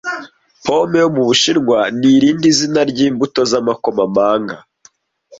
Pome yo mu Bushinwa ni irindi zina ryimbuto z'amakomamanga